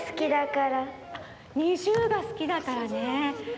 ＮｉｚｉＵがすきだからね。